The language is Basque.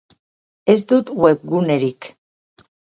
Ez dut webgunerik.